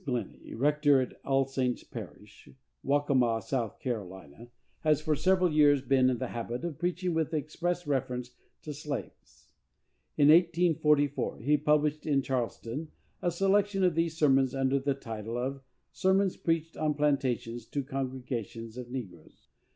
Glennie, rector of Allsaints parish, Waccamaw, South Carolina, has for several years been in the habit of preaching with express reference to slaves. In 1844 he published in Charleston a selection of these sermons, under the title of "Sermons preached on Plantations to Congregations of Negroes."